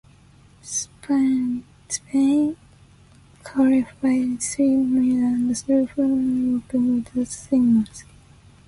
Spain qualified three male and three female open water swimmers.